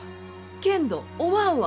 けんどおまんは。